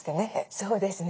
そうですね。